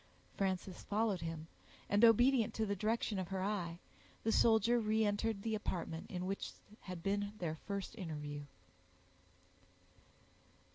Frances followed him, and, obedient to the direction of her eye, the soldier reentered the apartment in which had been their first interview.